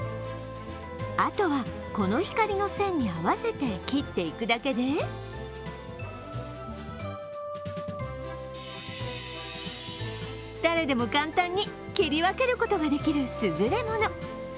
あとは、この光の線に合わせて切っていくだけで、誰でも簡単に切り分けることができるすぐれもの。